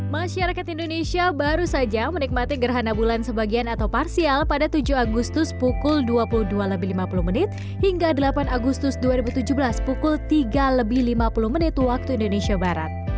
masyarakat indonesia baru saja menikmati gerhana bulan sebagian atau parsial pada tujuh agustus pukul dua puluh dua lima puluh menit hingga delapan agustus dua ribu tujuh belas pukul tiga lebih lima puluh menit waktu indonesia barat